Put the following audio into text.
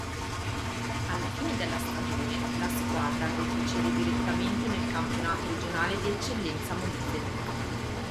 Alla fine della stagione la squadra retrocede direttamente nel campionato regionale di Eccellenza Molise.